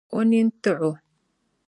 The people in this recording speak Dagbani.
O nini tiɣi o.